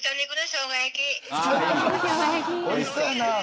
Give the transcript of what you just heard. おいしそうやな。